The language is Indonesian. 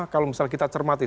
kalau misalnya kita cermati